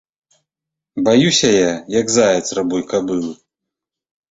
Баюся я, як заяц рабой кабылы.